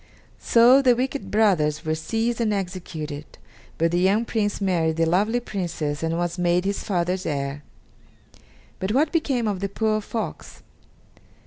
So the wicked brothers were seized and executed, but the young Prince married the lovely Princess and was made his father's heir. But what became of the poor fox?